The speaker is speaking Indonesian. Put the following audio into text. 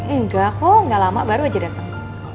enggak kok nggak lama baru aja dateng